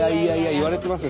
言われてますよ